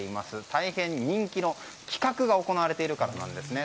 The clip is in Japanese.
大変人気の企画が行われているからなんですね。